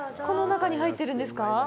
この中に入ってるんですか。